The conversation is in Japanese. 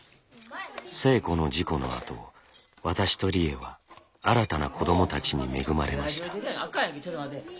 星子の事故のあと私と理栄は新たな子どもたちに恵まれました。